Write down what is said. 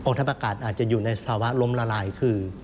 องค์ธรรมประกาศอาจจะอยู่ในภาวะล้มละลายคือ